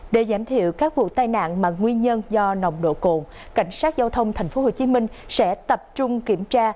để giảm thiệu các vụ tai nạn mà nguyên nhân do nồng độ cồn cảnh sát giao thông tp hcm sẽ tập trung kiểm tra